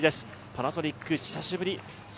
パナソニック久しぶり。